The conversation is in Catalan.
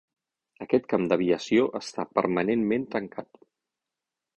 Aquest camp d'aviació està permanentment tancat.